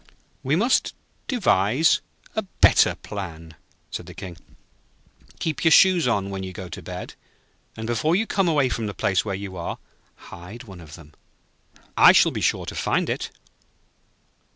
'We must devise a better plan,' said the King. 'Keep your shoes on when you go to bed, and before you come away from the place where you are taken, hide one of them. I shall be sure to find it.'